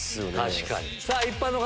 確かに。